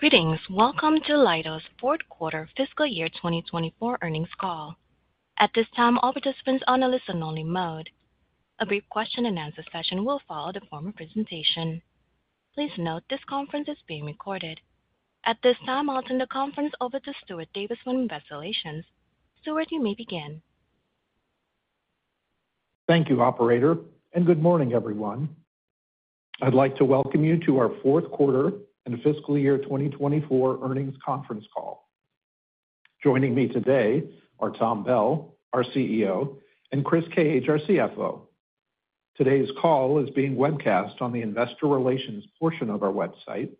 Greetings. Welcome to Leidos' fourth quarter fiscal year 2024 earnings call. At this time, all participants are on a listen-only mode. A brief question-and-answer session will follow the form of presentation. Please note this conference is being recorded. At this time, I'll turn the conference over to Stuart Davis, Investor Relations. Stuart, you may begin. Thank you, Operator, and good morning, everyone. I'd like to welcome you to our fourth quarter and fiscal year 2024 earnings conference call. Joining me today are Tom Bell, our CEO, and Chris Cage, our CFO. Today's call is being webcast on the investor relations portion of our website,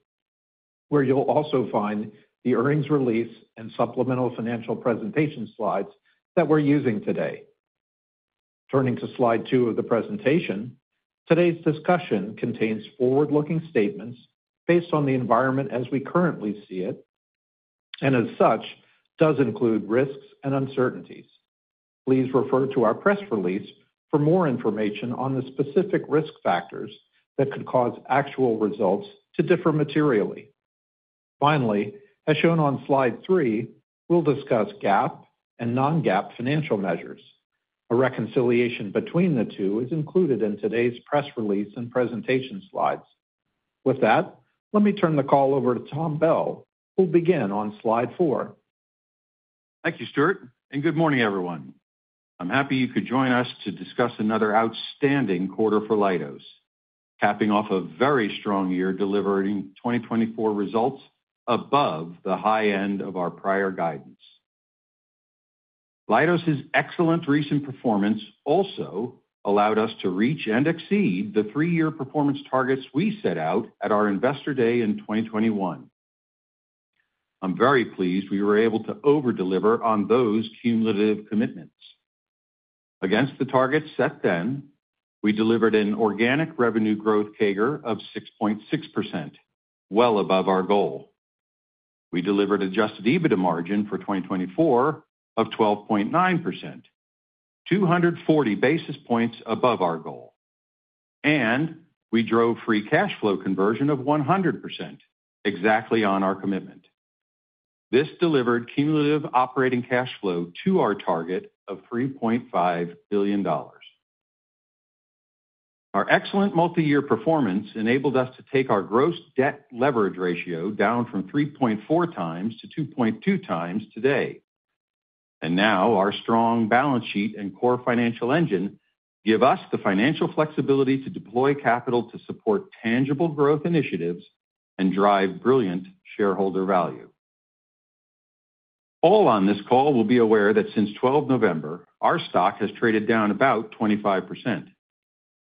where you'll also find the earnings release and supplemental financial presentation slides that we're using today. Turning to slide two of the presentation, today's discussion contains forward-looking statements based on the environment as we currently see it, and as such, does include risks and uncertainties. Please refer to our press release for more information on the specific risk factors that could cause actual results to differ materially. Finally, as shown on slide three, we'll discuss GAAP and non-GAAP financial measures. A reconciliation between the two is included in today's press release and presentation slides. With that, let me turn the call over to Tom Bell, who will begin on slide four. Thank you, Stuart, and good morning, everyone. I'm happy you could join us to discuss another outstanding quarter for Leidos, capping off a very strong year delivering 2024 results above the high end of our prior guidance. Leidos' excellent recent performance also allowed us to reach and exceed the three-year performance targets we set out at our investor day in 2021. I'm very pleased we were able to overdeliver on those cumulative commitments. Against the targets set then, we delivered an organic revenue growth CAGR of 6.6%, well above our goal. We delivered an adjusted EBITDA margin for 2024 of 12.9%, 240 basis points above our goal. And we drove free cash flow conversion of 100% exactly on our commitment. This delivered cumulative operating cash flow to our target of $3.5 billion. Our excellent multi-year performance enabled us to take our gross debt leverage ratio down from 3.4 times to 2.2 times today. And now our strong balance sheet and core financial engine give us the financial flexibility to deploy capital to support tangible growth initiatives and drive brilliant shareholder value. All on this call will be aware that since 12 November, our stock has traded down about 25%.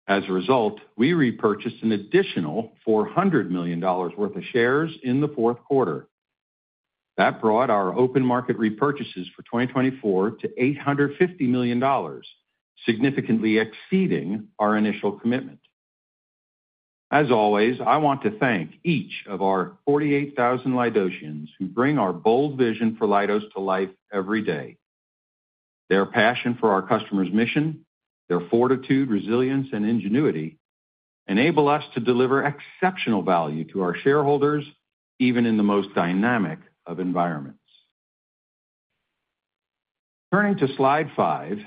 As a result, we repurchased an additional $400 million worth of shares in the fourth quarter. That brought our open market repurchases for 2024 to $850 million, significantly exceeding our initial commitment. As always, I want to thank each of our 48,000 Leidosians who bring our bold vision for Leidos to life every day. Their passion for our customers' mission, their fortitude, resilience, and ingenuity enable us to deliver exceptional value to our shareholders even in the most dynamic of environments. Turning to slide five,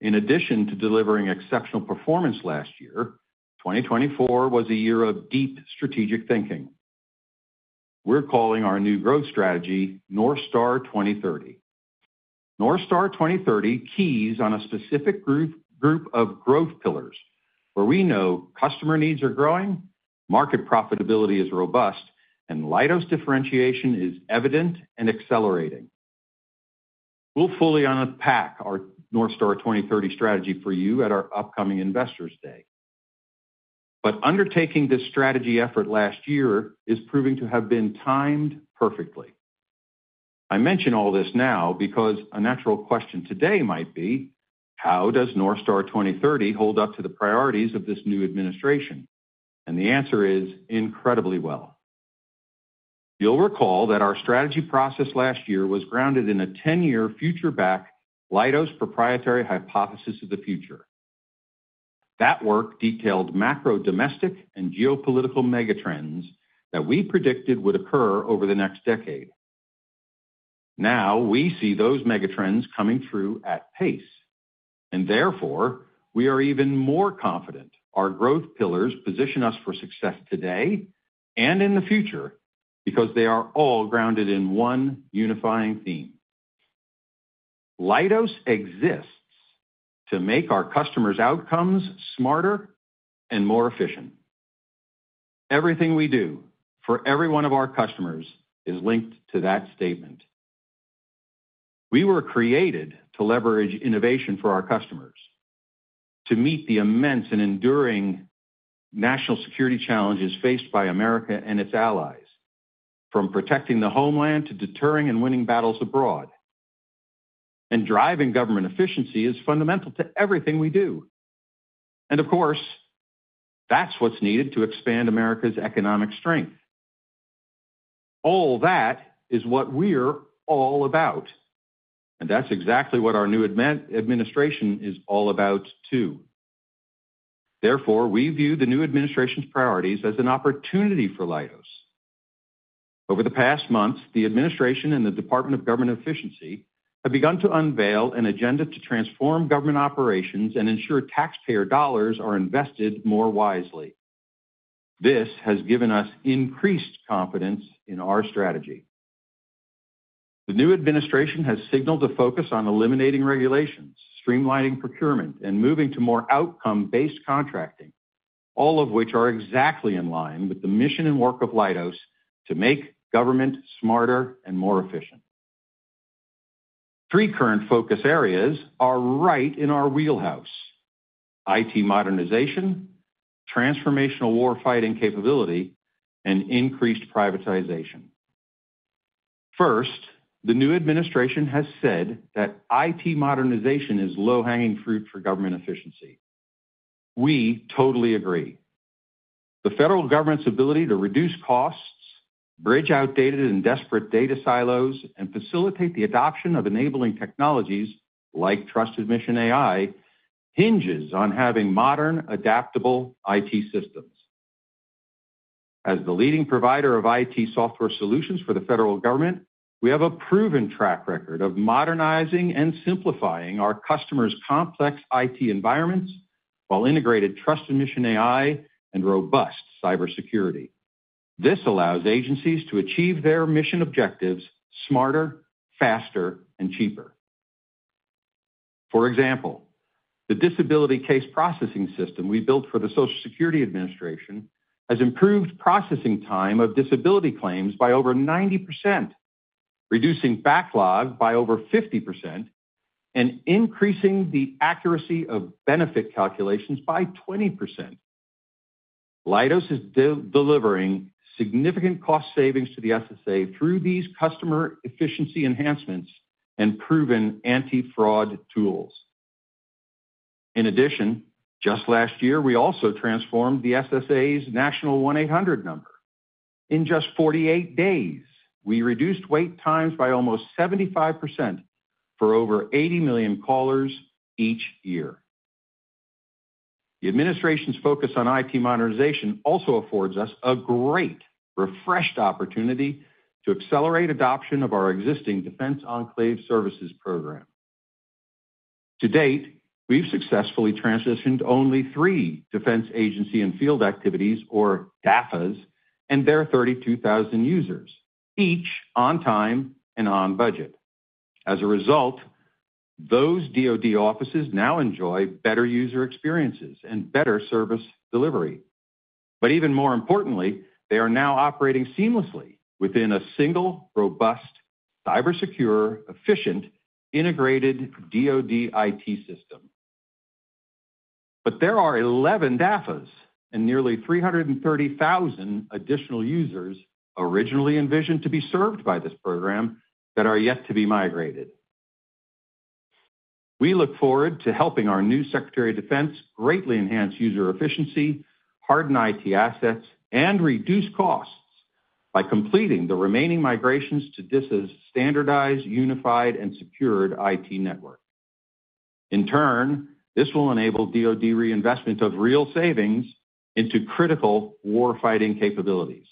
in addition to delivering exceptional performance last year, 2024 was a year of deep strategic thinking. We're calling our new growth strategy North Star 2030. North Star 2030 keys on a specific group of growth pillars where we know customer needs are growing, market profitability is robust, and Leidos' differentiation is evident and accelerating. We'll fully unpack our North Star 2030 strategy for you at our upcoming investors' day, but undertaking this strategy effort last year is proving to have been timed perfectly. I mention all this now because a natural question today might be, how does North Star 2030 hold up to the priorities of this new administration? And the answer is incredibly well, and you'll recall that our strategy process last year was grounded in a 10-year future-backed Leidos proprietary hypothesis of the future. That work detailed macro-domestic and geopolitical megatrends that we predicted would occur over the next decade. Now we see those megatrends coming through at pace, and therefore we are even more confident our growth pillars position us for success today and in the future because they are all grounded in one unifying theme. Leidos exists to make our customers' outcomes smarter and more efficient. Everything we do for every one of our customers is linked to that statement. We were created to leverage innovation for our customers, to meet the immense and enduring national security challenges faced by America and its allies, from protecting the homeland to deterring and winning battles abroad, and driving government efficiency is fundamental to everything we do, and of course, that's what's needed to expand America's economic strength. All that is what we're all about, and that's exactly what our new administration is all about too. Therefore, we view the new administration's priorities as an opportunity for Leidos. Over the past months, the administration and the Department of Government Efficiency have begun to unveil an agenda to transform government operations and ensure taxpayer dollars are invested more wisely. This has given us increased confidence in our strategy. The new administration has signaled a focus on eliminating regulations, streamlining procurement, and moving to more outcome-based contracting, all of which are exactly in line with the mission and work of Leidos to make government smarter and more efficient. Three current focus areas are right in our wheelhouse: IT modernization, transformational warfighting capability, and increased privatization. First, the new administration has said that IT modernization is low-hanging fruit for government efficiency. We totally agree. The federal government's ability to reduce costs, bridge outdated and disparate data silos, and facilitate the adoption of enabling technologies like Trusted Mission AI hinges on having modern, adaptable IT systems. As the leading provider of IT software solutions for the federal government, we have a proven track record of modernizing and simplifying our customers' complex IT environments while integrating Trusted Mission AI and robust cybersecurity. This allows agencies to achieve their mission objectives smarter, faster, and cheaper. For example, the Disability Case Processing System we built for the Social Security Administration has improved processing time of disability claims by over 90%, reducing backlog by over 50%, and increasing the accuracy of benefit calculations by 20%. Leidos is delivering significant cost savings to the SSA through these customer efficiency enhancements and proven anti-fraud tools. In addition, just last year, we also transformed the SSA's national 1-800 number. In just 48 days, we reduced wait times by almost 75% for over 80 million callers each year. The administration's focus on IT modernization also affords us a great refreshed opportunity to accelerate adoption of our existing Defense Enclave Services program. To date, we've successfully transitioned only three Defense Agency and Field Activities, or DAFAs, and their 32,000 users, each on time and on budget. As a result, those DOD offices now enjoy better user experiences and better service delivery, but even more importantly, they are now operating seamlessly within a single, robust, cybersecure, efficient, integrated DOD IT system, but there are 11 DAFAs and nearly 330,000 additional users originally envisioned to be served by this program that are yet to be migrated. We look forward to helping our new Secretary of Defense greatly enhance user efficiency, harden IT assets, and reduce costs by completing the remaining migrations to DISA's standardized, unified, and secured IT network. In turn, this will enable DOD reinvestment of real savings into critical warfighting capabilities,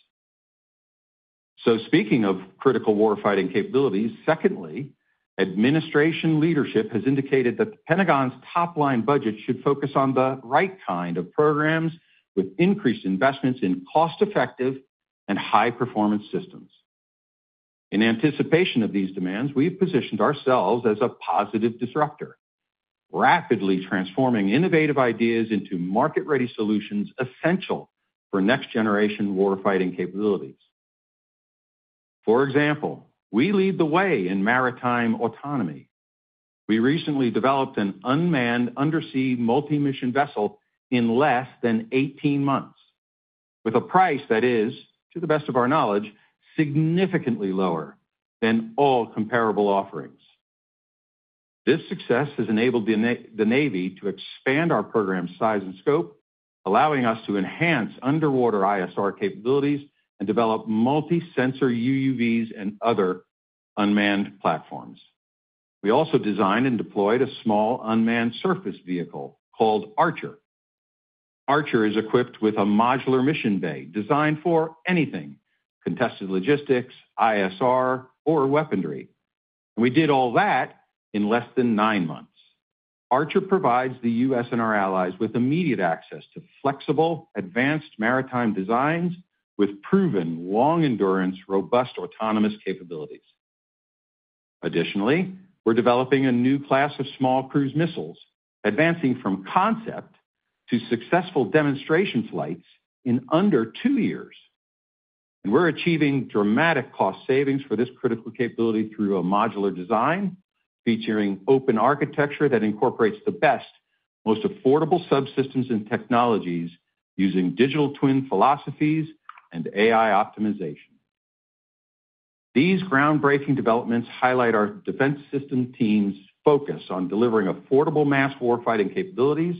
so speaking of critical warfighting capabilities, secondly, administration leadership has indicated that the Pentagon's top-line budget should focus on the right kind of programs with increased investments in cost-effective and high-performance systems. In anticipation of these demands, we've positioned ourselves as a positive disruptor, rapidly transforming innovative ideas into market-ready solutions essential for next-generation warfighting capabilities. For example, we lead the way in maritime autonomy. We recently developed an unmanned undersea multi-mission vessel in less than 18 months, with a price that is, to the best of our knowledge, significantly lower than all comparable offerings. This success has enabled the Navy to expand our program's size and scope, allowing us to enhance underwater ISR capabilities and develop multi-sensor UUVs and other unmanned platforms. We also designed and deployed a small unmanned surface vehicle called Archer. Archer is equipped with a modular mission bay designed for anything: contested logistics, ISR, or weaponry, and we did all that in less than nine months. Archer provides the U.S. and our allies with immediate access to flexible, advanced maritime designs with proven long-endurance, robust autonomous capabilities. Additionally, we're developing a new class of small cruise missiles, advancing from concept to successful demonstration flights in under two years, and we're achieving dramatic cost savings for this critical capability through a modular design featuring open architecture that incorporates the best, most affordable subsystems and technologies using digital twin philosophies and AI optimization. These groundbreaking developments highlight our defense system team's focus on delivering affordable mass warfighting capabilities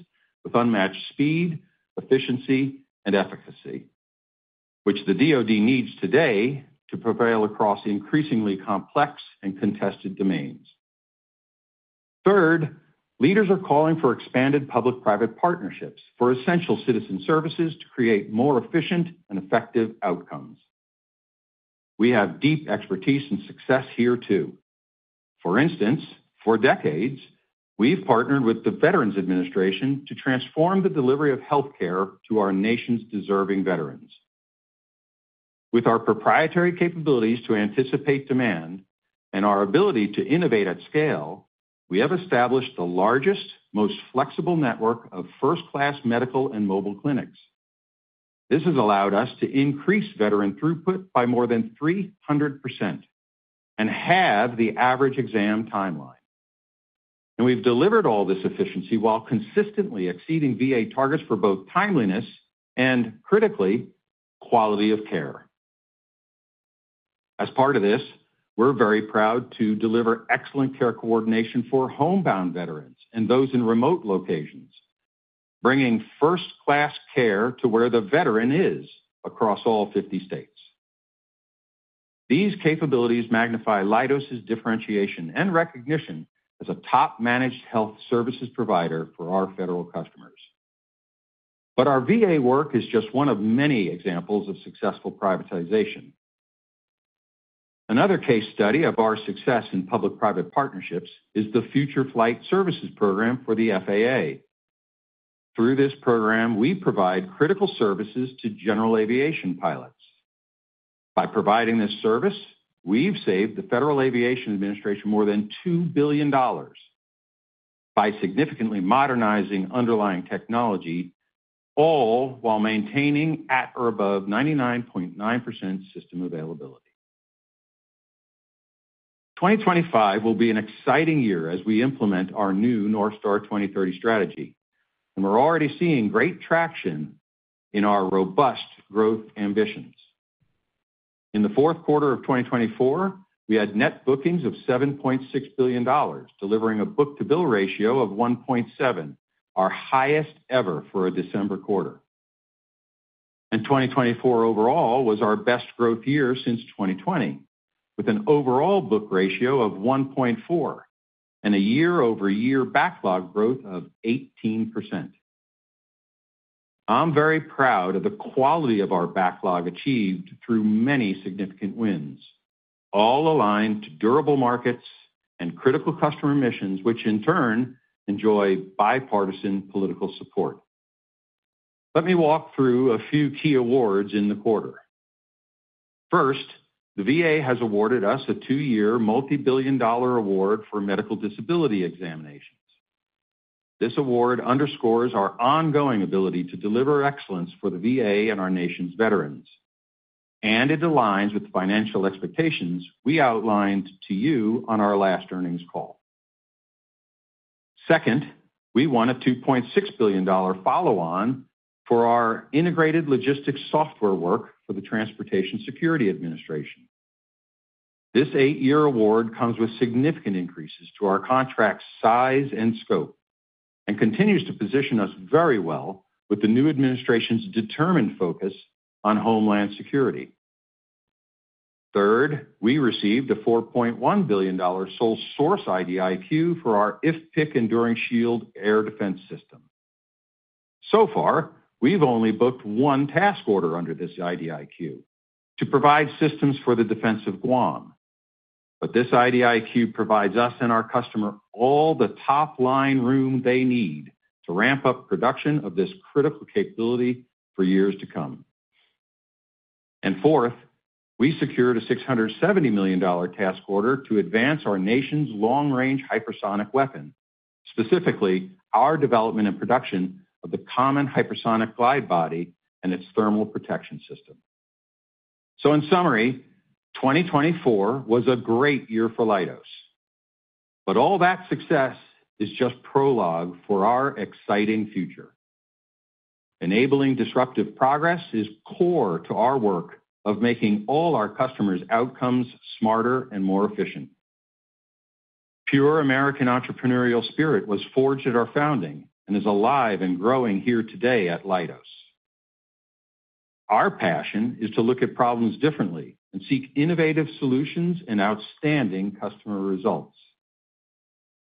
with unmatched speed, efficiency, and efficacy, which the DOD needs today to prevail across increasingly complex and contested domains. Third, leaders are calling for expanded public-private partnerships for essential citizen services to create more efficient and effective outcomes. We have deep expertise and success here too. For instance, for decades, we've partnered with the Veterans Administration to transform the delivery of healthcare to our nation's deserving veterans. With our proprietary capabilities to anticipate demand and our ability to innovate at scale, we have established the largest, most flexible network of first-class medical and mobile clinics. This has allowed us to increase veteran throughput by more than 300% and halve the average exam timeline. And we've delivered all this efficiency while consistently exceeding VA targets for both timeliness and, critically, quality of care. As part of this, we're very proud to deliver excellent care coordination for homebound veterans and those in remote locations, bringing first-class care to where the veteran is across all 50 states. These capabilities magnify Leidos' differentiation and recognition as a top-managed health services provider for our federal customers. But our VA work is just one of many examples of successful privatization. Another case study of our success in public-private partnerships is the Future Flight Services program for the FAA. Through this program, we provide critical services to general aviation pilots. By providing this service, we've saved the Federal Aviation Administration more than $2 billion by significantly modernizing underlying technology, all while maintaining at or above 99.9% system availability. 2025 will be an exciting year as we implement our new North Star 2030 strategy, and we're already seeing great traction in our robust growth ambitions. In the fourth quarter of 2024, we had net bookings of $7.6 billion, delivering a book-to-bill ratio of 1.7, our highest ever for a December quarter, and 2024 overall was our best growth year since 2020, with an overall book ratio of 1.4 and a year-over-year backlog growth of 18%. I'm very proud of the quality of our backlog achieved through many significant wins, all aligned to durable markets and critical customer missions, which in turn enjoy bipartisan political support. Let me walk through a few key awards in the quarter. First, the VA has awarded us a two-year multi-billion-dollar award for medical disability examinations. This award underscores our ongoing ability to deliver excellence for the VA and our nation's veterans, and it aligns with financial expectations we outlined to you on our last earnings call. Second, we won a $2.6 billion follow-on for our integrated logistics software work for the Transportation Security Administration. This eight-year award comes with significant increases to our contract size and scope and continues to position us very well with the new administration's determined focus on homeland security. Third, we received a $4.1 billion sole source IDIQ for our IFPC Enduring Shield Air Defense System. So far, we've only booked one task order under this IDIQ to provide systems for the Defense of Guam. But this IDIQ provides us and our customer all the top-line room they need to ramp up production of this critical capability for years to come. And fourth, we secured a $670 million task order to advance our nation's long-range hypersonic weapon, specifically our development and production of the Common Hypersonic Glide Body and its thermal protection system. So in summary, 2024 was a great year for Leidos. But all that success is just prologue for our exciting future. Enabling disruptive progress is core to our work of making all our customers' outcomes smarter and more efficient. Pure American entrepreneurial spirit was forged at our founding and is alive and growing here today at Leidos. Our passion is to look at problems differently and seek innovative solutions and outstanding customer results.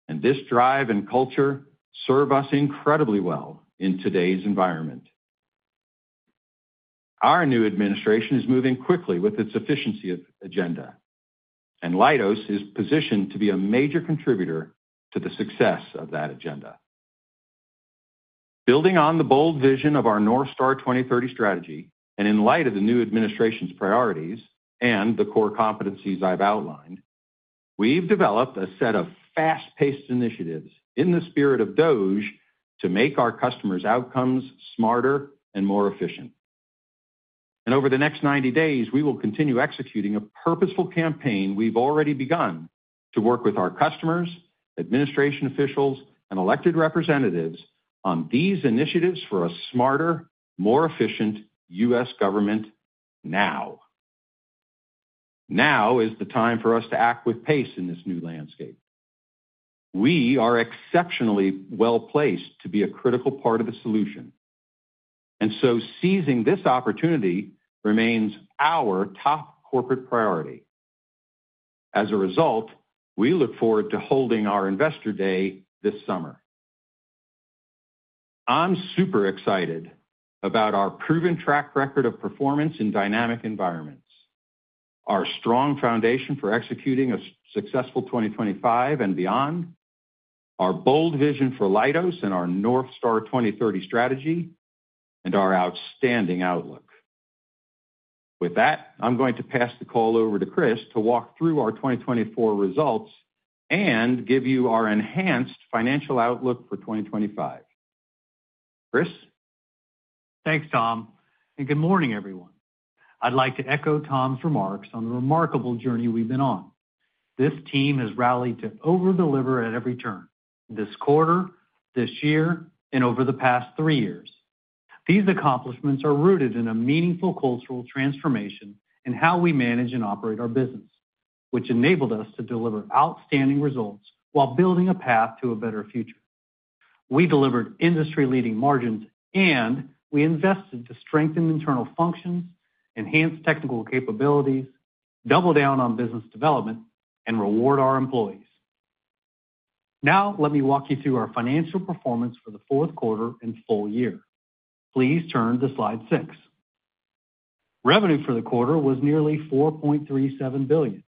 And this drive and culture serve us incredibly well in today's environment. Our new administration is moving quickly with its efficiency agenda, and Leidos is positioned to be a major contributor to the success of that agenda. Building on the bold vision of our North Star 2030 strategy, and in light of the new administration's priorities and the core competencies I've outlined, we've developed a set of fast-paced initiatives in the spirit of DOGE to make our customers' outcomes smarter and more efficient. And over the next 90 days, we will continue executing a purposeful campaign we've already begun to work with our customers, administration officials, and elected representatives on these initiatives for a smarter, more efficient U.S. government now. Now is the time for us to act with pace in this new landscape. We are exceptionally well placed to be a critical part of the solution, and so seizing this opportunity remains our top corporate priority. As a result, we look forward to holding our investor day this summer. I'm super excited about our proven track record of performance in dynamic environments, our strong foundation for executing a successful 2025 and beyond, our bold vision for Leidos and our North Star 2030 strategy, and our outstanding outlook. With that, I'm going to pass the call over to Chris to walk through our 2024 results and give you our enhanced financial outlook for 2025. Chris? Thanks, Tom, and good morning, everyone. I'd like to echo Tom's remarks on the remarkable journey we've been on. This team has rallied to overdeliver at every turn this quarter, this year, and over the past three years. These accomplishments are rooted in a meaningful cultural transformation in how we manage and operate our business, which enabled us to deliver outstanding results while building a path to a better future. We delivered industry-leading margins, and we invested to strengthen internal functions, enhance technical capabilities, double down on business development, and reward our employees. Now, let me walk you through our financial performance for the fourth quarter and full year. Please turn to slide six. Revenue for the quarter was nearly $4.37 billion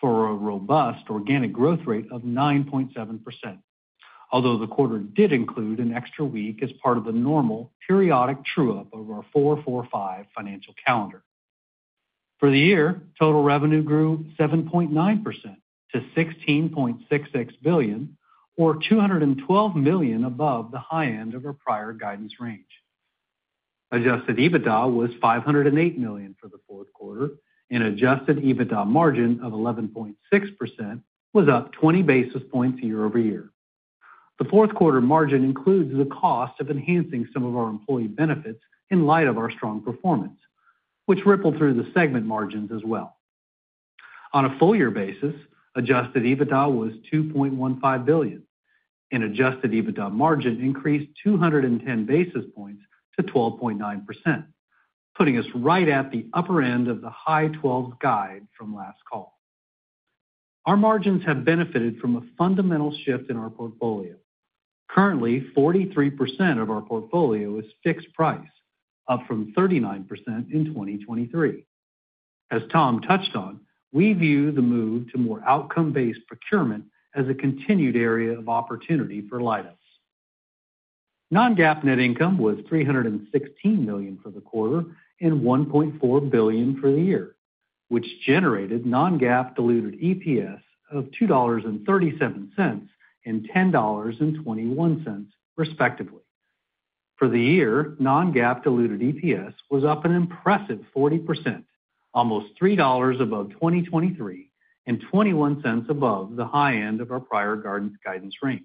for a robust organic growth rate of 9.7%, although the quarter did include an extra week as part of the normal periodic true-up of our 4-4-5 financial calendar. For the year, total revenue grew 7.9% to $16.66 billion, or $212 million above the high end of our prior guidance range. Adjusted EBITDA was $508 million for the fourth quarter, and adjusted EBITDA margin of 11.6% was up 20 basis points year over year. The fourth quarter margin includes the cost of enhancing some of our employee benefits in light of our strong performance, which rippled through the segment margins as well. On a full-year basis, adjusted EBITDA was $2.15 billion, and adjusted EBITDA margin increased 210 basis points to 12.9%, putting us right at the upper end of the high 12 guide from last call. Our margins have benefited from a fundamental shift in our portfolio. Currently, 43% of our portfolio is fixed price, up from 39% in 2023. As Tom touched on, we view the move to more outcome-based procurement as a continued area of opportunity for Leidos. Non-GAAP net income was $316 million for the quarter and $1.4 billion for the year, which generated non-GAAP diluted EPS of $2.37 and $10.21, respectively. For the year, non-GAAP diluted EPS was up an impressive 40%, almost $3 above 2023 and $0.21 above the high end of our prior guidance range.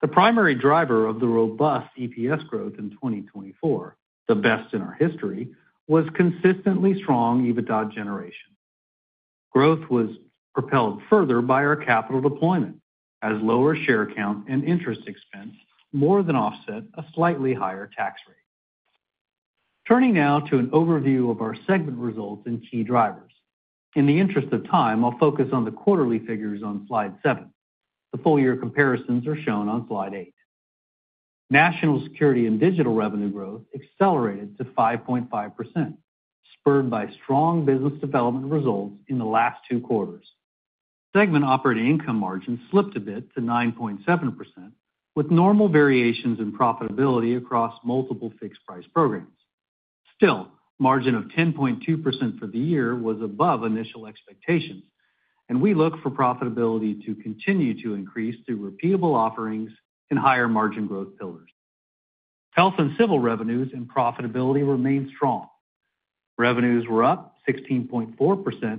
The primary driver of the robust EPS growth in 2024, the best in our history, was consistently strong EBITDA generation. Growth was propelled further by our capital deployment, as lower share count and interest expense more than offset a slightly higher tax rate. Turning now to an overview of our segment results and key drivers. In the interest of time, I'll focus on the quarterly figures on slide seven. The full-year comparisons are shown on slide eight. National Security and Digital revenue growth accelerated to 5.5%, spurred by strong business development results in the last two quarters. Segment operating income margin slipped a bit to 9.7%, with normal variations in profitability across multiple fixed-price programs. Still, margin of 10.2% for the year was above initial expectations, and we look for profitability to continue to increase through repeatable offerings and higher margin growth pillars. Health and Civil revenues and profitability remained strong. Revenues were up 16.4%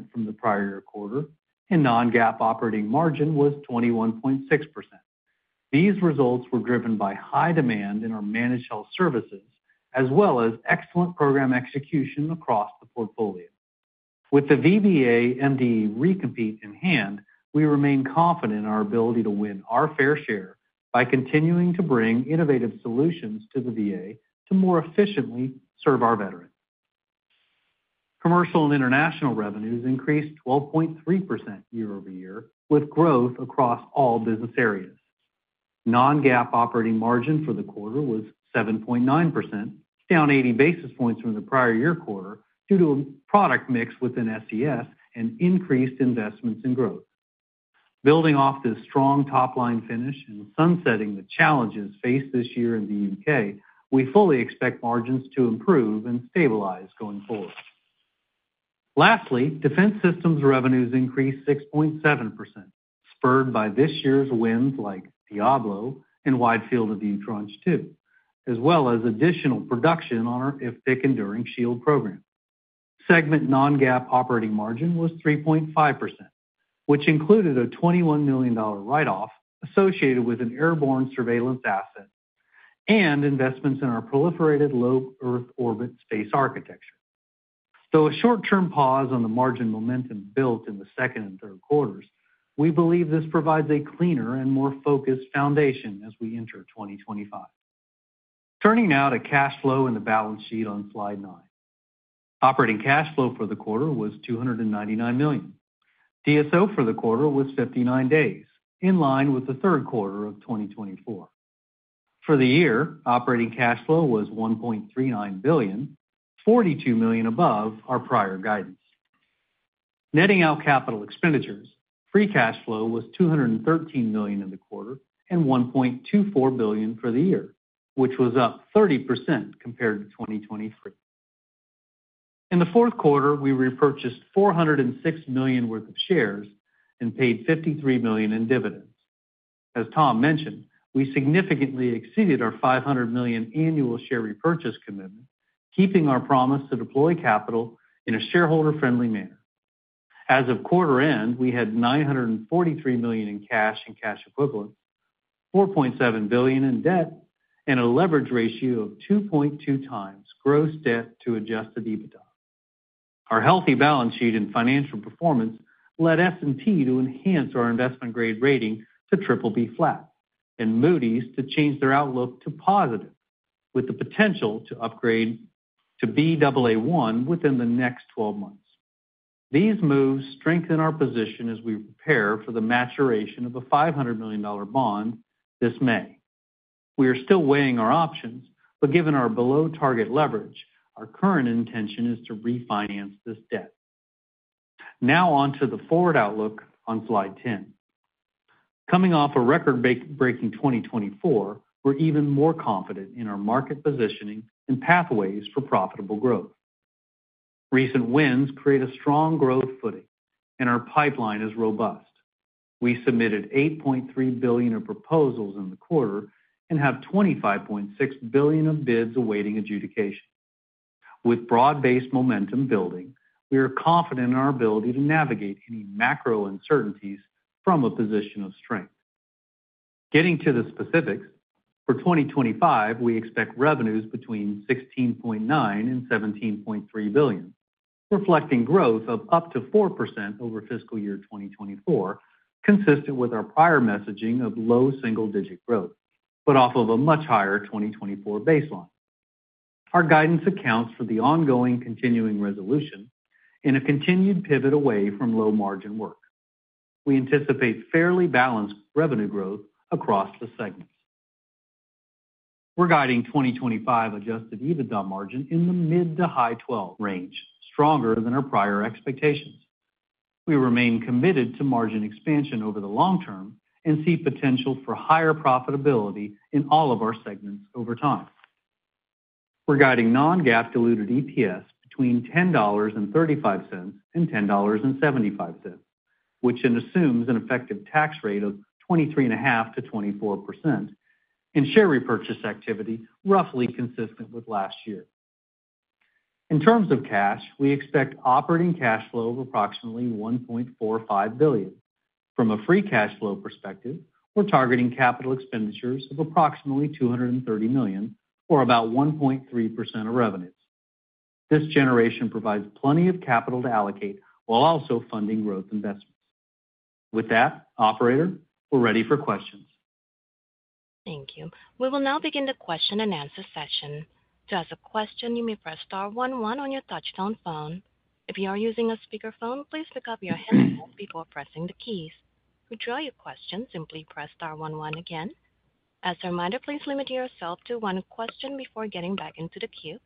from the prior quarter, and non-GAAP operating margin was 21.6%. These results were driven by high demand in our managed health services, as well as excellent program execution across the portfolio. With the VBA MDE recompete in hand, we remain confident in our ability to win our fair share by continuing to bring innovative solutions to the VA to more efficiently serve our veterans. Commercial and International revenues increased 12.3% year over year, with growth across all business areas. Non-GAAP operating margin for the quarter was 7.9%, down 80 basis points from the prior year quarter due to a product mix within SES and increased investments in growth. Building off this strong top-line finish and sunsetting the challenges faced this year in the U.K., we fully expect margins to improve and stabilize going forward. Lastly, Defense Systems revenues increased 6.7%, spurred by this year's wins like Diablo and Wide Field of View, as well as additional production on our IFPC Enduring Shield program. Segment non-GAAP operating margin was 3.5%, which included a $21 million write-off associated with an airborne surveillance asset and investments in our proliferated low Earth orbit space architecture. Though a short-term pause on the margin momentum built in the second and third quarters, we believe this provides a cleaner and more focused foundation as we enter 2025. Turning now to cash flow in the balance sheet on slide nine. Operating cash flow for the quarter was $299 million. DSO for the quarter was 59 days, in line with the third quarter of 2024. For the year, operating cash flow was $1.39 billion, $42 million above our prior guidance. Netting out capital expenditures, free cash flow was $213 million in the quarter and $1.24 billion for the year, which was up 30% compared to 2023. In the fourth quarter, we repurchased $406 million worth of shares and paid $53 million in dividends. As Tom mentioned, we significantly exceeded our $500 million annual share repurchase commitment, keeping our promise to deploy capital in a shareholder-friendly manner. As of quarter end, we had $943 million in cash and cash equivalents, $4.7 billion in debt, and a leverage ratio of 2.2 times gross debt to adjusted EBITDA. Our healthy balance sheet and financial performance led S&P to enhance our investment grade rating to BBB flat and Moody's to change their outlook to positive, with the potential to upgrade to Baa1 within the next 12 months. These moves strengthen our position as we prepare for the maturity of a $500 million bond this May. We are still weighing our options, but given our below target leverage, our current intention is to refinance this debt. Now on to the forward outlook on slide 10. Coming off a record-breaking 2024, we're even more confident in our market positioning and pathways for profitable growth. Recent wins create a strong growth footing, and our pipeline is robust. We submitted $8.3 billion of proposals in the quarter and have $25.6 billion of bids awaiting adjudication. With broad-based momentum building, we are confident in our ability to navigate any macro uncertainties from a position of strength. Getting to the specifics, for 2025, we expect revenues between $16.9 and $17.3 billion, reflecting growth of up to 4% over fiscal year 2024, consistent with our prior messaging of low single-digit growth, but off of a much higher 2024 baseline. Our guidance accounts for the ongoing continuing resolution and a continued pivot away from low margin work. We anticipate fairly balanced revenue growth across the segments. We're guiding 2025 adjusted EBITDA margin in the mid- to high-12% range, stronger than our prior expectations. We remain committed to margin expansion over the long term and see potential for higher profitability in all of our segments over time. We're guiding non-GAAP diluted EPS between $10.35 and $10.75, which assumes an effective tax rate of 23.5% to 24%, and share repurchase activity roughly consistent with last year. In terms of cash, we expect operating cash flow of approximately $1.45 billion. From a free cash flow perspective, we're targeting capital expenditures of approximately $230 million, or about 1.3% of revenues. This generation provides plenty of capital to allocate while also funding growth investments. With that, Operator, we're ready for questions. Thank you. We will now begin the question and answer session. To ask a question, you may press star 11 on your touch-tone phone. If you are using a speakerphone, please pick up the handset before pressing the keys. To withdraw your question, simply press star 11 again. As a reminder, please limit yourself to one question before getting back into the queue.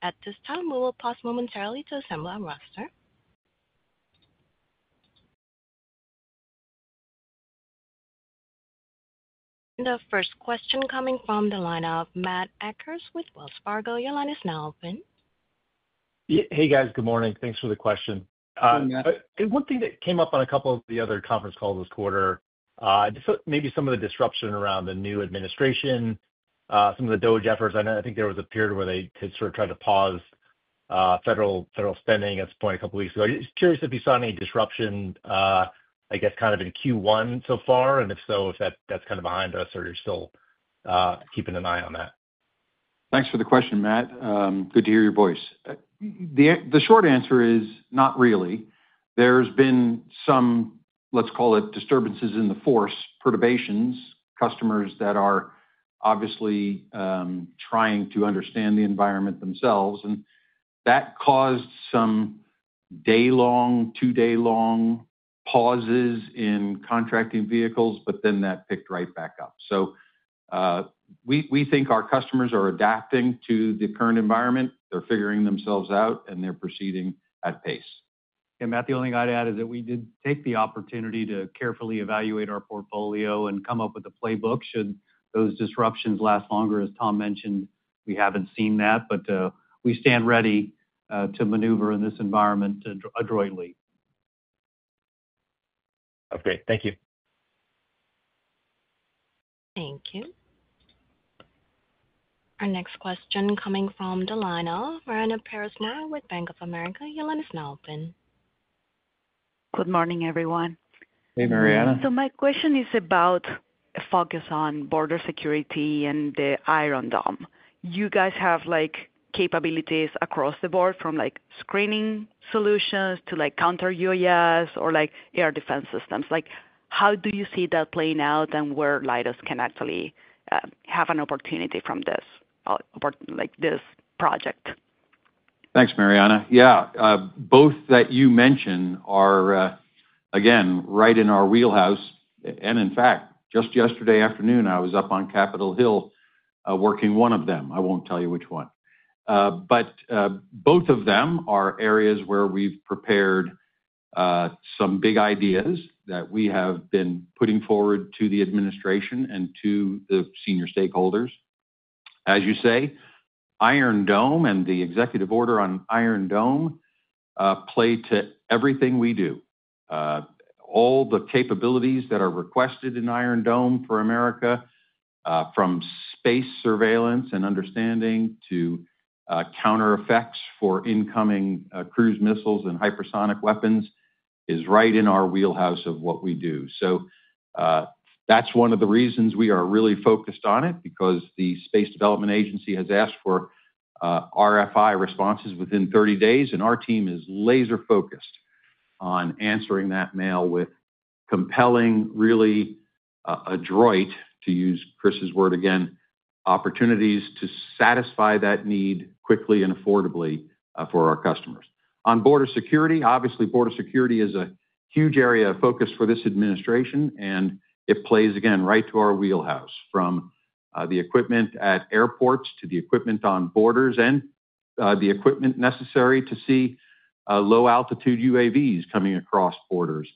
At this time, we will pause momentarily to assemble our roster. The first question coming from the line of Matt Akers with Wells Fargo. Your line is now open. Hey, guys. Good morning. Thanks for the question. And one thing that came up on a couple of the other conference calls this quarter, maybe some of the disruption around the new administration, some of the DOGE efforts. I think there was a period where they had sort of tried to pause federal spending at some point a couple of weeks ago. Just curious if you saw any disruption, I guess, kind of in Q1 so far, and if so, if that's kind of behind us or you're still keeping an eye on that. Thanks for the question, Matt. Good to hear your voice. The short answer is not really. There's been some, let's call it, disturbances in the force, perturbations, customers that are obviously trying to understand the environment themselves. And that caused some day-long, two-day-long pauses in contracting vehicles, but then that picked right back up. So we think our customers are adapting to the current environment. They're figuring themselves out, and they're proceeding at pace. Yeah, Matt, the only thing I'd add is that we did take the opportunity to carefully evaluate our portfolio and come up with a playbook. Should those disruptions last longer, as Tom mentioned, we haven't seen that, but we stand ready to maneuver in this environment adroitly. Okay. Thank you. Thank you. Our next question coming from Mariana Perez Mora with Bank of America. Your line is now open. Good morning, everyone. Hey, Mariana. So my question is about a focus on border security and the Iron Dome. You guys have capabilities across the board from screening solutions to counter UAS or air defense systems. How do you see that playing out and where Leidos can actually have an opportunity from this project? Thanks, Mariana. Yeah, both that you mention are, again, right in our wheelhouse. And in fact, just yesterday afternoon, I was up on Capitol Hill working one of them. I won't tell you which one. But both of them are areas where we've prepared some big ideas that we have been putting forward to the administration and to the senior stakeholders. As you say, Iron Dome and the executive order on Iron Dome play to everything we do. All the capabilities that are requested in Iron Dome for America, from space surveillance and understanding to counter effects for incoming cruise missiles and hypersonic weapons, is right in our wheelhouse of what we do. So that's one of the reasons we are really focused on it, because the Space Development Agency has asked for RFI responses within 30 days, and our team is laser-focused on answering that mail with compelling, really adroit, to use Chris's word again, opportunities to satisfy that need quickly and affordably for our customers. On border security, obviously, border security is a huge area of focus for this administration, and it plays, again, right to our wheelhouse, from the equipment at airports to the equipment on borders and the equipment necessary to see low altitude UAVs coming across borders.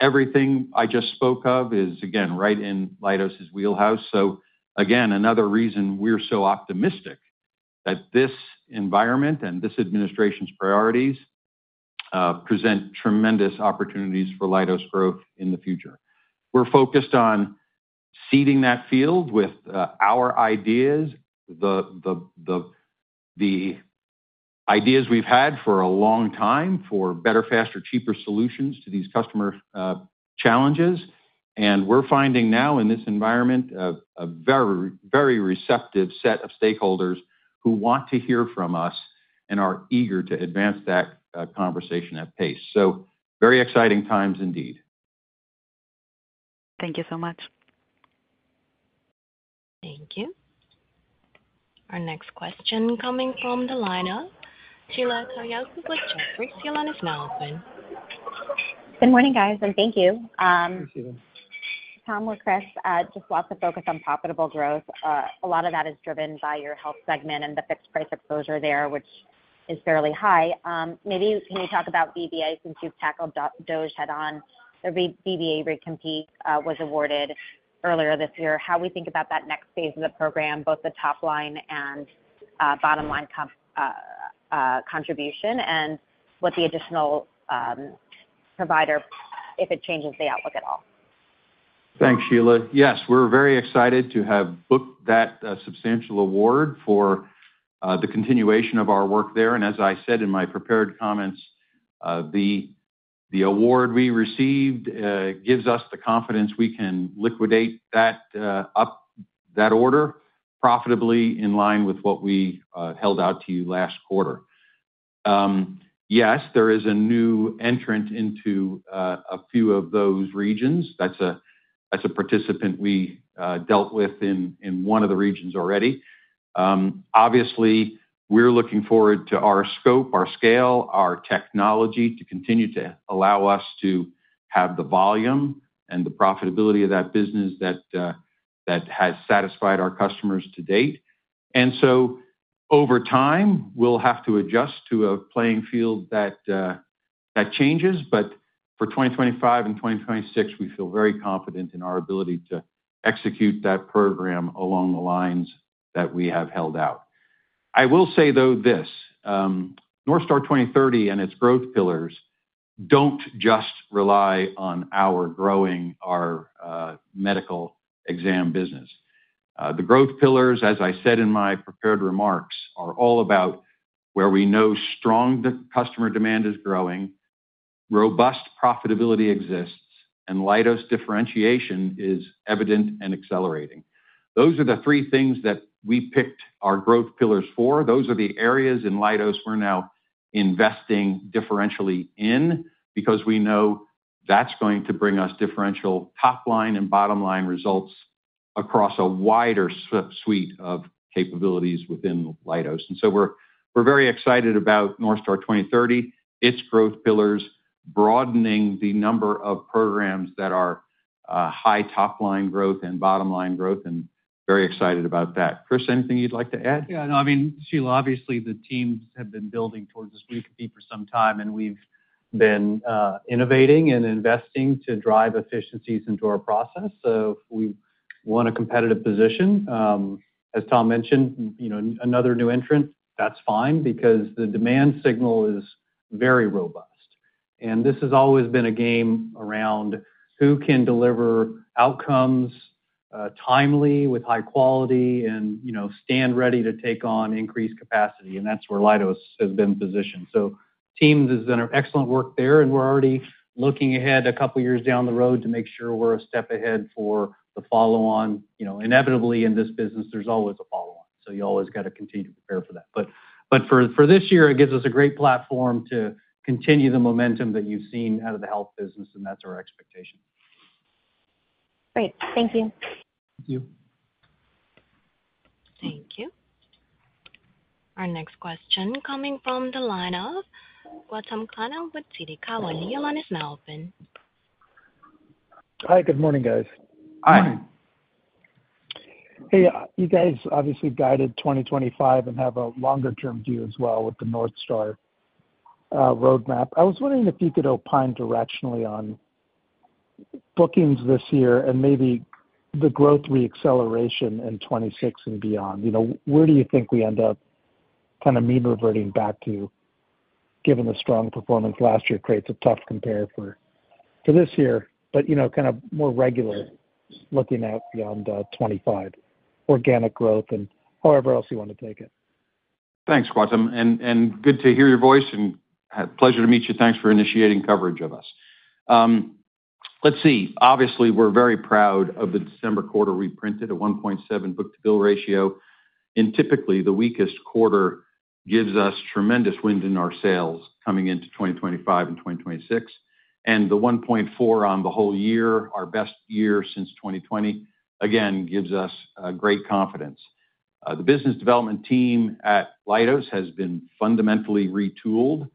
Everything I just spoke of is, again, right in Leidos' wheelhouse. So again, another reason we're so optimistic that this environment and this administration's priorities present tremendous opportunities for Leidos' growth in the future. We're focused on seeding that field with our ideas, the ideas we've had for a long time for better, faster, cheaper solutions to these customer challenges. We're finding now, in this environment, a very, very receptive set of stakeholders who want to hear from us and are eager to advance that conversation at pace. So very exciting times indeed. Thank you so much. Thank you. Our next question coming from the line of Sheila Kahyaoglu with Jefferies. Your line is now open. Good morning, guys, and thank you. Thank you. Tom and Chris. Just lots of focus on profitable growth. A lot of that is driven by your health segment and the fixed-price exposure there, which is fairly high. Maybe can you talk about VBA since you've tackled DOGE head-on? The VBA recompete was awarded earlier this year. How we think about that next phase of the program, both the top-line and bottom-line contribution, and what the additional provider, if it changes the outlook at all? Thanks, Sheila. Yes, we're very excited to have booked that substantial award for the continuation of our work there, and as I said in my prepared comments, the award we received gives us the confidence we can liquidate that order profitably in line with what we held out to you last quarter. Yes, there is a new entrant into a few of those regions. That's a participant we dealt with in one of the regions already. Obviously, we're looking forward to our scope, our technology to continue to allow us to have the volume and the profitability of that business that has satisfied our customers to date, and so over time, we'll have to adjust to a playing field that changes. But for 2025 and 2026, we feel very confident in our ability to execute that program along the lines that we have held out. I will say, though, this: North Star 2030 and its growth pillars don't just rely on our growing, our medical exam business. The growth pillars, as I said in my prepared remarks, are all about where we know strong customer demand is growing, robust profitability exists, and Leidos' differentiation is evident and accelerating. Those are the three things that we picked our growth pillars for. Those are the areas in Leidos we're now investing differentially in because we know that's going to bring us differential top-line and bottom-line results across a wider suite of capabilities within Leidos. And so we're very excited about North Star 2030, its growth pillars, broadening the number of programs that are high top-line growth and bottom-line growth, and very excited about that. Chris, anything you'd like to add? Yeah. No, I mean, Sheila, obviously, the teams have been building towards this recompete for some time, and we've been innovating and investing to drive efficiencies into our process. So we want a competitive position. As Tom mentioned, another new entrant, that's fine because the demand signal is very robust. And this has always been a game around who can deliver outcomes timely with high quality and stand ready to take on increased capacity. And that's where Leidos has been positioned. So teams have done excellent work there, and we're already looking ahead a couple of years down the road to make sure we're a step ahead for the follow-on. Inevitably, in this business, there's always a follow-on. So you always got to continue to prepare for that. But for this year, it gives us a great platform to continue the momentum that you've seen out of the health business, and that's our expectation. Great. Thank you. Thank you. Thank you. Our next question coming from Gautam Khanna with TD Cowen. The line is now open. Hi. Good morning, guys. Hi. Hey, you guys obviously guided 2025 and have a longer-term view as well with the North Star roadmap. I was wondering if you could opine directionally on bookings this year and maybe the growth reacceleration in 2026 and beyond. Where do you think we end up kind of mean reverting back to, given the strong performance last year creates a tough compare for this year, but kind of more regular looking out beyond 2025, organic growth, and however else you want to take it? Thanks, Gautam. And good to hear your voice and pleasure to meet you. Thanks for initiating coverage of us. Let's see. Obviously, we're very proud of the December quarter reported at a 1.7 book-to-bill ratio. And typically, the weakest quarter gives us tremendous wind in our sales coming into 2025 and 2026. And the 1.4 on the whole year, our best year since 2020, again, gives us great confidence. The business development team at Leidos has been fundamentally retooled.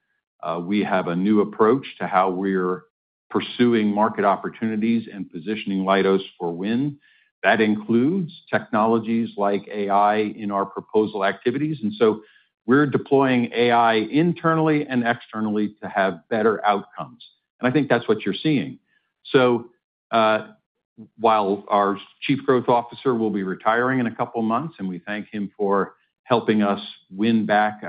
We have a new approach to how we're pursuing market opportunities and positioning Leidos for win. That includes technologies like AI in our proposal activities. And so we're deploying AI internally and externally to have better outcomes. And I think that's what you're seeing. So while our Chief Growth Officer will be retiring in a couple of months, and we thank him for helping us win back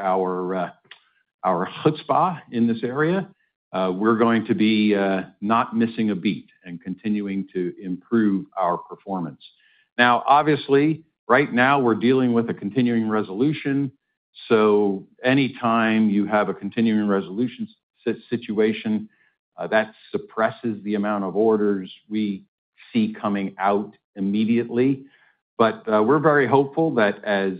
our chutzpah in this area, we're going to be not missing a beat and continuing to improve our performance. Now, obviously, right now, we're dealing with a Continuing Resolution. So anytime you have a Continuing Resolution situation, that suppresses the amount of orders we see coming out immediately. But we're very hopeful that as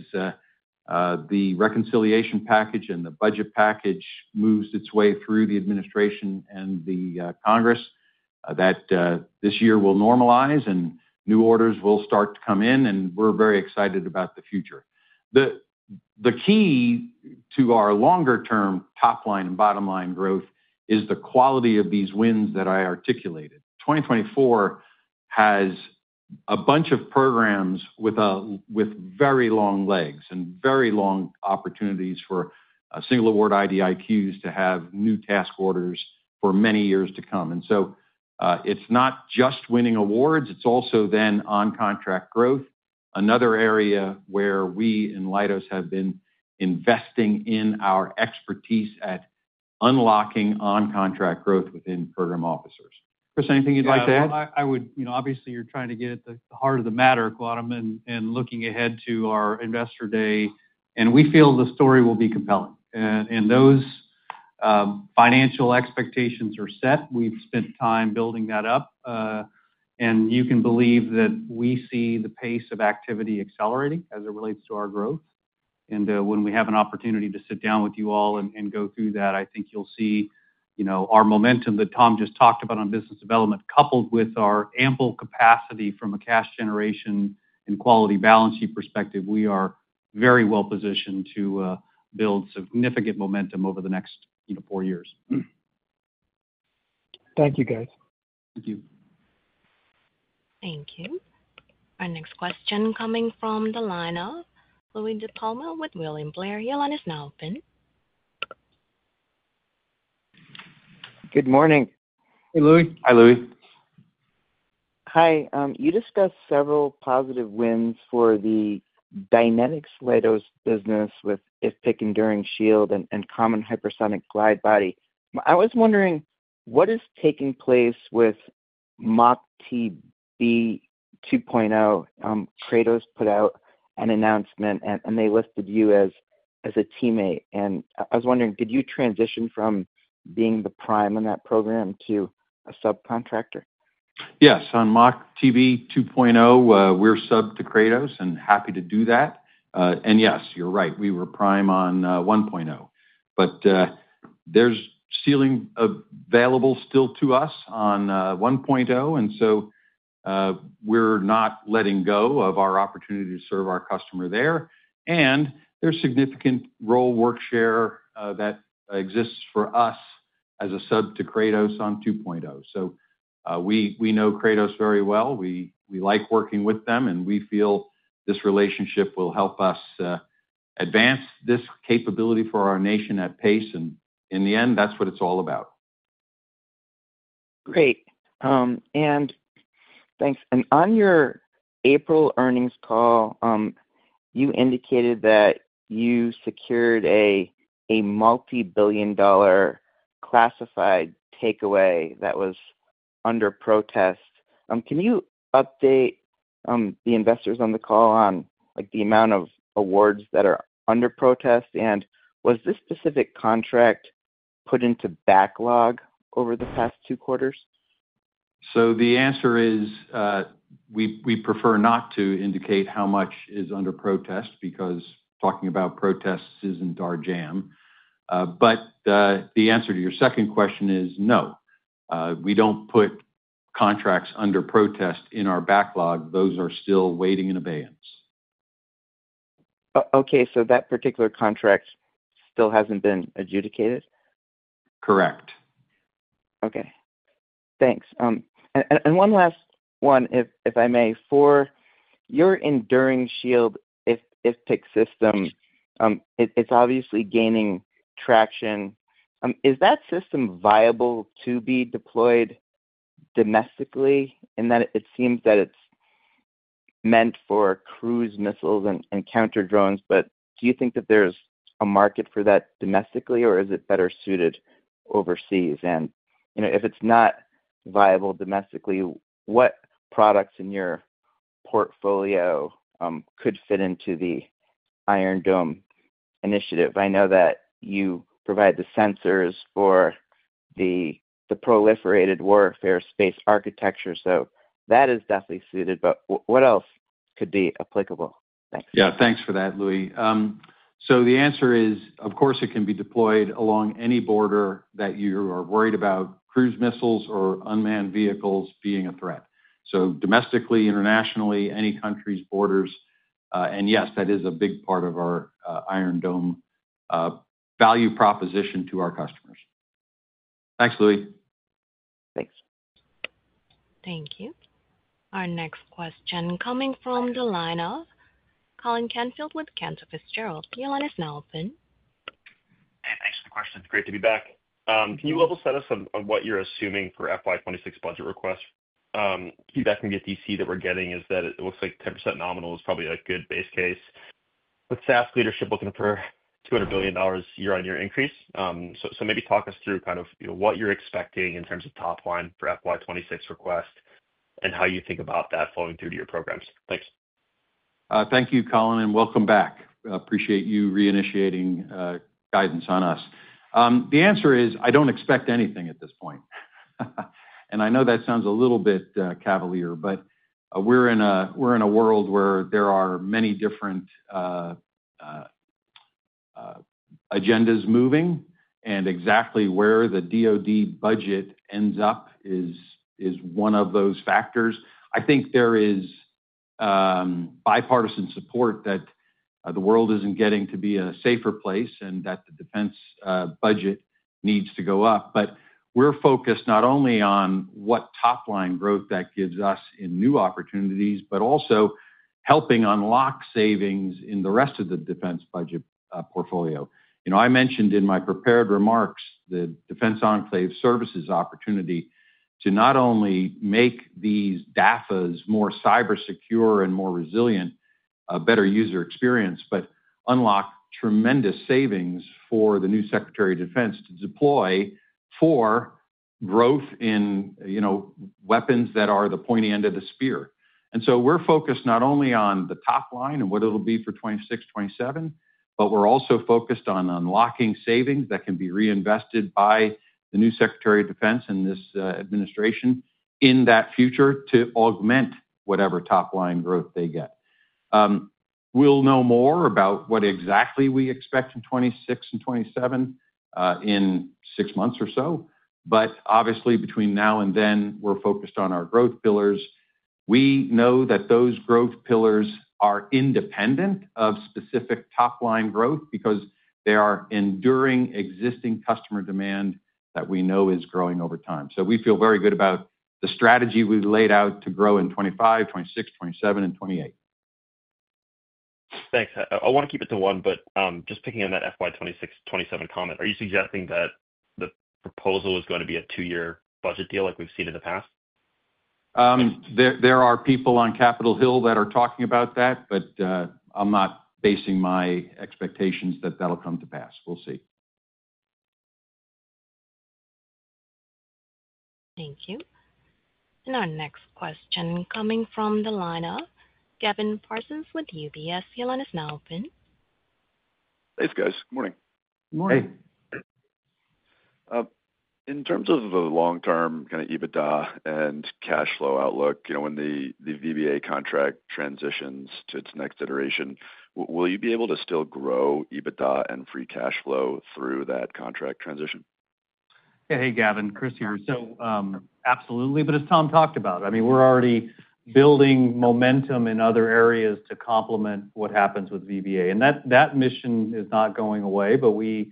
the reconciliation package and the budget package moves its way through the Administration and the Congress, that this year will normalize and new orders will start to come in, and we're very excited about the future. The key to our longer-term top-line and bottom-line growth is the quality of these wins that I articulated. 2024 has a bunch of programs with very long legs and very long opportunities for single award IDIQs to have new task orders for many years to come. So it's not just winning awards. It's also then on-contract growth, another area where we in Leidos have been investing in our expertise at unlocking on-contract growth within program offices. Chris, anything you'd like to add? I would. Obviously, you're trying to get at the heart of the matter, Gautam, and looking ahead to our investor day. We feel the story will be compelling. Those financial expectations are set. We've spent time building that up. You can believe that we see the pace of activity accelerating as it relates to our growth. And when we have an opportunity to sit down with you all and go through that, I think you'll see our momentum that Tom just talked about on business development, coupled with our ample capacity from a cash generation and quality balance sheet perspective, we are very well positioned to build significant momentum over the next four years. Thank you, guys. Thank you. Thank you. Our next question coming from Louie DiPalma with William Blair, your line is now open. Good morning. Hey, Louis. Hi, Louis. Hi. You discussed several positive wins for the Dynamics Leidos business with IFPC Enduring Shield and Common Hypersonic Glide Body. I was wondering, what is taking place with MACH-TB 2.0? Kratos put out an announcement, and they listed you as a teammate. And I was wondering, did you transition from being the prime in that program to a subcontractor? Yes. On MACH-TB 2.0, we're subbed to Kratos and happy to do that. And yes, you're right. We were prime on 1.0. But there's ceiling available still to us on 1.0. And so we're not letting go of our opportunity to serve our customer there. And there's significant role work share that exists for us as a sub to Kratos on 2.0. So we know Kratos very well. We like working with them, and we feel this relationship will help us advance this capability for our nation at pace. And in the end, that's what it's all about. Great. And thanks. And on your April earnings call, you indicated that you secured a multi-billion-dollar classified takeaway that was under protest. Can you update the investors on the call on the amount of awards that are under protest? Was this specific contract put into backlog over the past two quarters? So the answer is we prefer not to indicate how much is under protest because talking about protests isn't our jam. But the answer to your second question is no. We don't put contracts under protest in our backlog. Those are still waiting in abeyance. Okay. So that particular contract still hasn't been adjudicated? Correct. Okay. Thanks. And one last one, if I may. For your Enduring Shield IFPC system, it's obviously gaining traction. Is that system viable to be deployed domestically? And it seems that it's meant for cruise missiles and counter drones, but do you think that there's a market for that domestically, or is it better suited overseas? And if it's not viable domestically, what products in your portfolio could fit into the Iron Dome initiative? I know that you provide the sensors for the Proliferated Warfighter Space Architecture, so that is definitely suited. But what else could be applicable? Thanks. Yeah. Thanks for that, Louie. So the answer is, of course, it can be deployed along any border that you are worried about cruise missiles or unmanned vehicles being a threat. So domestically, internationally, any country's borders. And yes, that is a big part of our Iron Dome value proposition to our customers. Thanks, Louie. Thanks. Thank you. Our next question coming from the line of Colin Canfield with Canaccord Genuity. Your line is now open. Hey. Thanks for the question. It's great to be back. Can you level set us on what you're assuming for FY26 budget request? Feedback from the DC that we're getting is that it looks like 10% nominal is probably a good base case. With SASC leadership looking for $200 billion year-on-year increase. So maybe talk us through kind of what you're expecting in terms of top line for FY26 request and how you think about that flowing through to your programs. Thanks. Thank you, Colin, and welcome back. Appreciate you reinitiating guidance on us. The answer is I don't expect anything at this point. And I know that sounds a little bit cavalier, but we're in a world where there are many different agendas moving, and exactly where the DOD budget ends up is one of those factors. I think there is bipartisan support that the world isn't getting to be a safer place and that the defense budget needs to go up. But we're focused not only on what top line growth that gives us in new opportunities, but also helping unlock savings in the rest of the defense budget portfolio. I mentioned in my prepared remarks the Defense Enclave Services opportunity to not only make these DAFAs more cybersecure and more resilient, a better user experience, but unlock tremendous savings for the new Secretary of Defense to deploy for growth in weapons that are the pointy end of the spear, and so we're focused not only on the top line and what it'll be for 2026, 2027, but we're also focused on unlocking savings that can be reinvested by the new Secretary of Defense and this administration in that future to augment whatever top line growth they get. We'll know more about what exactly we expect in 2026 and 2027 in six months or so, but obviously, between now and then, we're focused on our growth pillars. We know that those growth pillars are independent of specific top line growth because they are enduring existing customer demand that we know is growing over time. So we feel very good about the strategy we've laid out to grow in 2025, 2026, 2027, and 2028. Thanks. I want to keep it to one, but just picking on that FY 2026, 2027 comment, are you suggesting that the proposal is going to be a two-year budget deal like we've seen in the past? There are people on Capitol Hill that are talking about that, but I'm not basing my expectations that that'll come to pass. We'll see. Thank you. And our next question coming from the line of Gavin Parsons with UBS. Your line is now open. Hey, guys. Good morning. Good morning. Hey. In terms of the long-term kind of EBITDA and cash flow outlook, when the VBA contract transitions to its next iteration, will you be able to still grow EBITDA and free cash flow through that contract transition? Yeah. Hey, Gavin. Chris here. So, absolutely, but as Tom talked about, I mean, we're already building momentum in other areas to complement what happens with VBA, and that mission is not going away, but we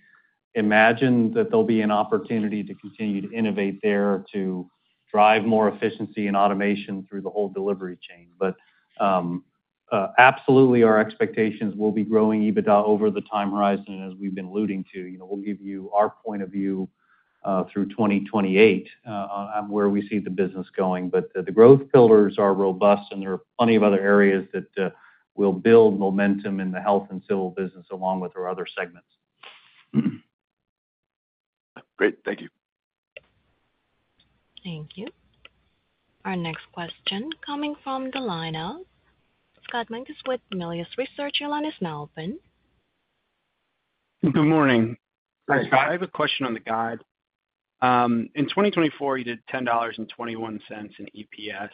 imagine that there'll be an opportunity to continue to innovate there to drive more efficiency and automation through the whole delivery chain, but absolutely, our expectations will be growing EBITDA over the time horizon, and as we've been alluding to, we'll give you our point of view through 2028 on where we see the business going. But the growth pillars are robust, and there are plenty of other areas that will build momentum in the health and civil business along with our other segments. Great. Thank you. Thank you. Our next question from the line of Scott Mikus with Melius Research. Your line is now open. Good morning. Hi, Scott. I have a question on the guide. In 2024, you did $10.21 in EPS.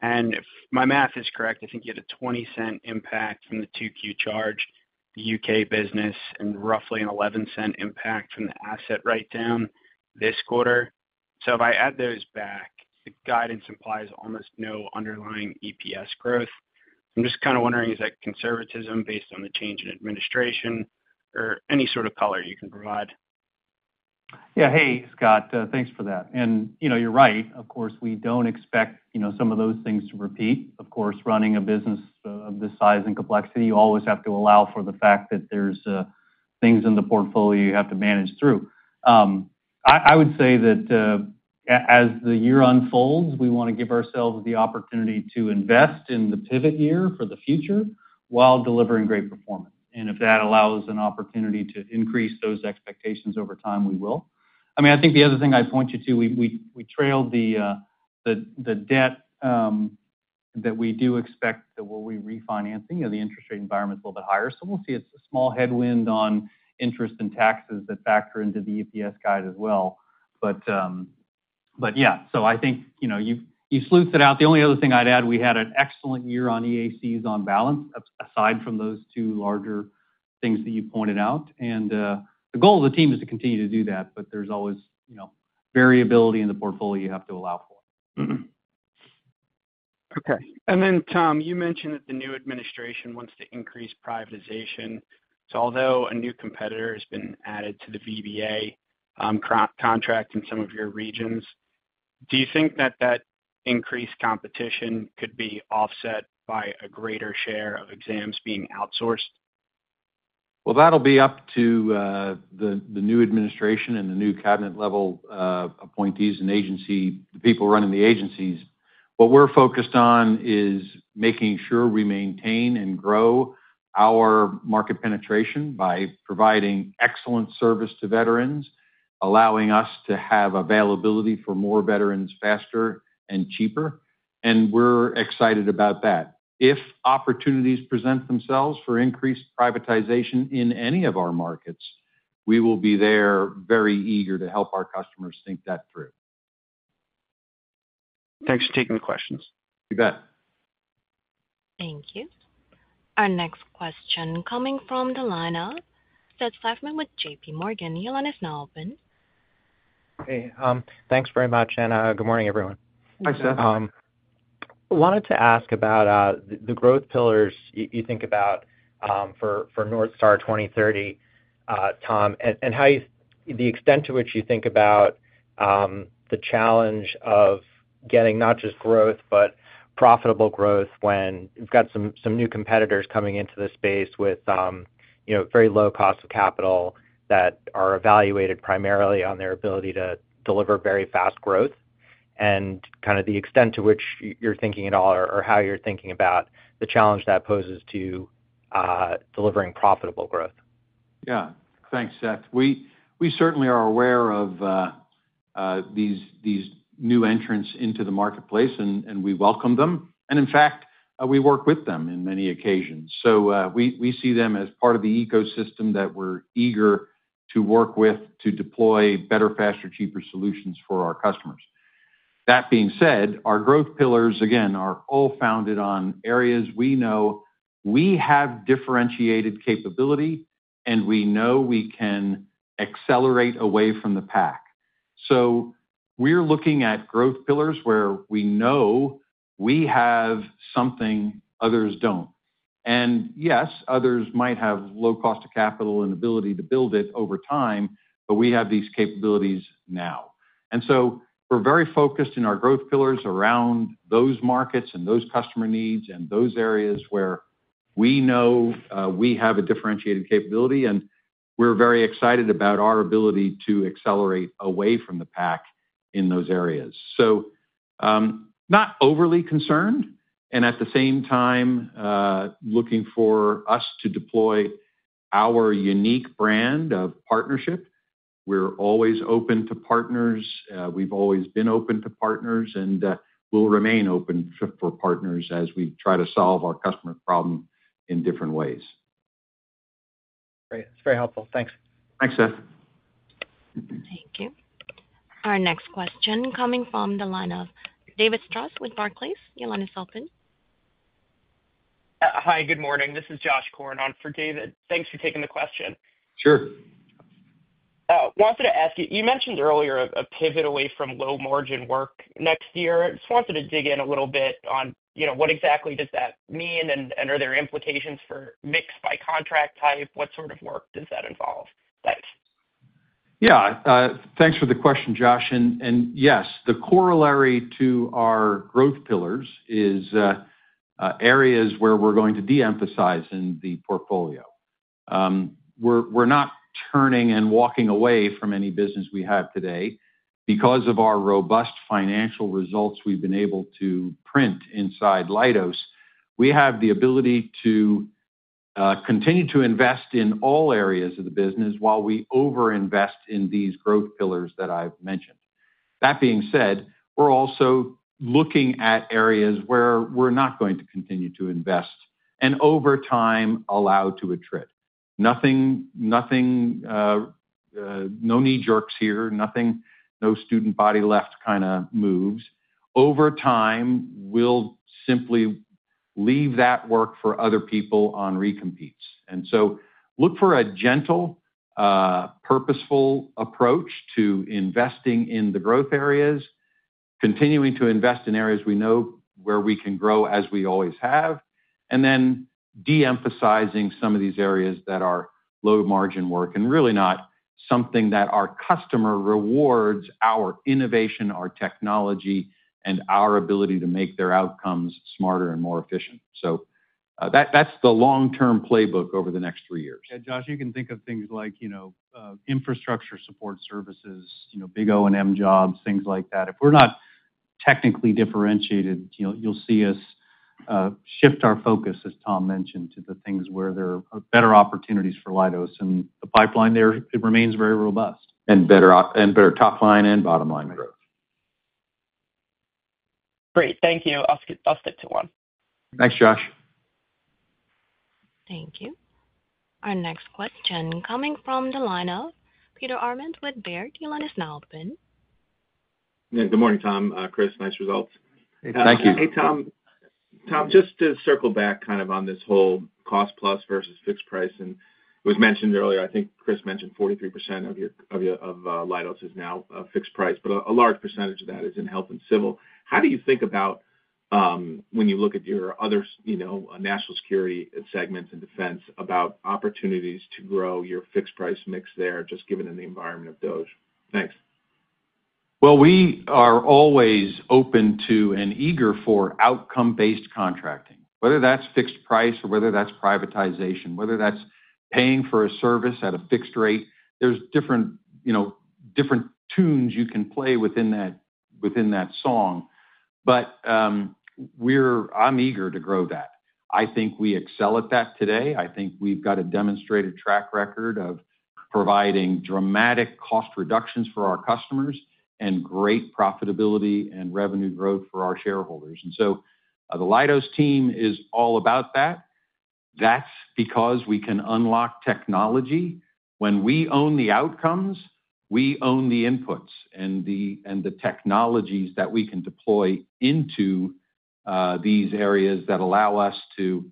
And if my math is correct, I think you had a $0.20 impact from the 2Q charge, the UK business, and roughly a $0.11 impact from the asset write-down this quarter. So if I add those back, the guidance implies almost no underlying EPS growth. I'm just kind of wondering, is that conservatism based on the change in administration or any sort of color you can provide? Yeah. Hey, Scott. Thanks for that. And you're right. Of course, we don't expect some of those things to repeat. Of course, running a business of this size and complexity, you always have to allow for the fact that there's things in the portfolio you have to manage through. I would say that as the year unfolds, we want to give ourselves the opportunity to invest in the pivot year for the future while delivering great performance. And if that allows an opportunity to increase those expectations over time, we will. I mean, I think the other thing I point you to, we detailed the debt that we do expect that we'll be refinancing. The interest rate environment is a little bit higher. So we'll see. It's a small headwind on interest and taxes that factor into the EPS guide as well. But yeah. So I think you sleuthed it out. The only other thing I'd add, we had an excellent year on EACs on balance, aside from those two larger things that you pointed out, and the goal of the team is to continue to do that, but there's always variability in the portfolio you have to allow for. Okay, and then, Tom, you mentioned that the new administration wants to increase privatization, so although a new competitor has been added to the VBA contract in some of your regions, do you think that that increased competition could be offset by a greater share of exams being outsourced? Well, that'll be up to the new administration and the new cabinet-level appointees and agency, the people running the agencies. What we're focused on is making sure we maintain and grow our market penetration by providing excellent service to veterans, allowing us to have availability for more veterans faster and cheaper. And we're excited about that. If opportunities present themselves for increased privatization in any of our markets, we will be there very eager to help our customers think that through. Thanks for taking the questions. You bet. Thank you. Our next question coming from Seth Seifman with JPMorgan. Your line is now open. Hey. Thanks very much. And good morning, everyone. Hi, Seth. Wanted to ask about the growth pillars you think about for North Star 2030, Tom, and the extent to which you think about the challenge of getting not just growth, but profitable growth when you've got some new competitors coming into the space with very low cost of capital that are evaluated primarily on their ability to deliver very fast growth and kind of the extent to which you're thinking at all or how you're thinking about the challenge that poses to delivering profitable growth. Yeah. Thanks, Seth. We certainly are aware of these new entrants into the marketplace, and we welcome them, and in fact, we work with them in many occasions, so we see them as part of the ecosystem that we're eager to work with to deploy better, faster, cheaper solutions for our customers. That being said, our growth pillars, again, are all founded on areas we know we have differentiated capability, and we know we can accelerate away from the pack, so we're looking at growth pillars where we know we have something others don't, and yes, others might have low cost of capital and ability to build it over time, but we have these capabilities now, and so we're very focused in our growth pillars around those markets and those customer needs and those areas where we know we have a differentiated capability. And we're very excited about our ability to accelerate away from the pack in those areas. So not overly concerned, and at the same time, looking for us to deploy our unique brand of partnership. We're always open to partners. We've always been open to partners, and we'll remain open for partners as we try to solve our customer problem in different ways. Great. That's very helpful. Thanks. Thanks, Seth. Thank you. Our next question coming from the line of David Strauss with Barclays. Your line is open. Hi. Good morning. This is Josh Korn for David. Thanks for taking the question. Sure. I wanted to ask you, you mentioned earlier a pivot away from low margin work next year. I just wanted to dig in a little bit on what exactly does that mean, and are there implications for mix by contract type? What sort of work does that involve? Thanks. Yeah. Thanks for the question, Josh. And yes, the corollary to our growth pillars is areas where we're going to de-emphasize in the portfolio. We're not turning and walking away from any business we have today. Because of our robust financial results we've been able to invest inside Leidos, we have the ability to continue to invest in all areas of the business while we over-invest in these growth pillars that I've mentioned. That being said, we're also looking at areas where we're not going to continue to invest and over time allow to atrophy. No knee-jerks here. No student body left kind of moves. Over time, we'll simply leave that work for other people on recompetes. And so look for a gentle, purposeful approach to investing in the growth areas, continuing to invest in areas we know where we can grow as we always have, and then de-emphasizing some of these areas that are low margin work and really not something that our customer rewards our innovation, our technology, and our ability to make their outcomes smarter and more efficient. So that's the long-term playbook over the next three years. Yeah. Josh, you can think of things like infrastructure support services, big O&M jobs, things like that. If we're not technically differentiated, you'll see us shift our focus, as Tom mentioned, to the things where there are better opportunities for Leidos, and the pipeline there remains very robust. And better top line and bottom line growth. Great. Thank you. I'll stick to one. Thanks, Josh. Thank you. Our next question coming from the line of Peter Arment with Baird. Your line is now open. Good morning, Tom. Chris, nice results. Thank you. Hey, Tom. Tom, just to circle back kind of on this whole cost plus versus fixed price. And it was mentioned earlier, I think Chris mentioned 43% of Leidos is now a fixed price, but a large percentage of that is in health and civil. How do you think about when you look at your other national security segments and defense about opportunities to grow your fixed price mix there, just given in the environment of those? Thanks. We are always open to and eager for outcome-based contracting, whether that's fixed price or whether that's privatization, whether that's paying for a service at a fixed rate. There's different tunes you can play within that song. But I'm eager to grow that. I think we excel at that today. I think we've got a demonstrated track record of providing dramatic cost reductions for our customers and great profitability and revenue growth for our shareholders. And so the Leidos team is all about that. That's because we can unlock technology. When we own the outcomes, we own the inputs and the technologies that we can deploy into these areas that allow us to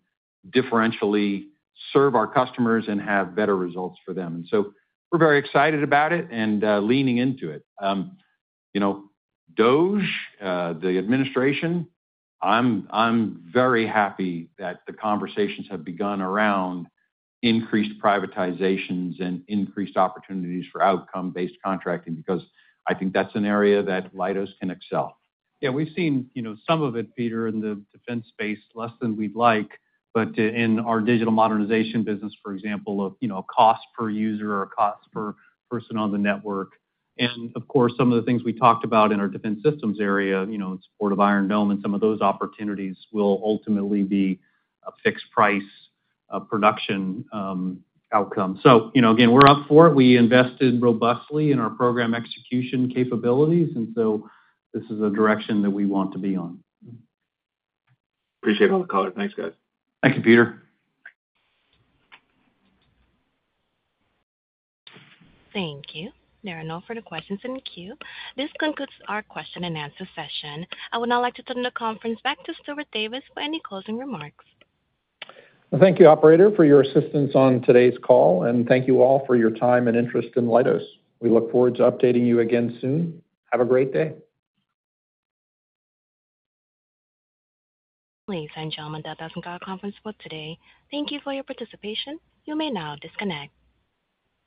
differentially serve our customers and have better results for them. And so we're very excited about it and leaning into it. DOGE, the administration, I'm very happy that the conversations have begun around increased privatizations and increased opportunities for outcome-based contracting because I think that's an area that Leidos can excel. Yeah. We've seen some of it, Peter, in the defense space, less than we'd like, but in our digital modernization business, for example, of cost per user or cost per person on the network. And of course, some of the things we talked about in our defense systems area, in support of Iron Dome and some of those opportunities will ultimately be a fixed price production outcome. So again, we're up for it. We invested robustly in our program execution capabilities. And so this is a direction that we want to be on. Appreciate all the color. Thanks, guys. Thank you, Peter. Thank you. There are no further questions in queue. This concludes our question and answer session. I would now like to turn the conference back to Stuart Davis for any closing remarks. Thank you, operator, for your assistance on today's call. Thank you all for your time and interest in Leidos. We look forward to updating you again soon. Have a great day. Please ensure that that's not a conference for today. Thank you for your participation. You may now disconnect.